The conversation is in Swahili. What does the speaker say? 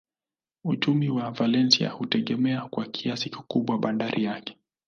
Uchumi wa Valencia hutegemea kwa kiasi kikubwa bandari yake.